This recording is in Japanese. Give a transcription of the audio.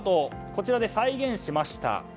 こちらで再現しました。